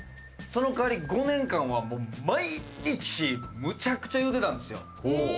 その代わり５年間はもう毎日むちゃくちゃ言うてたんですよ。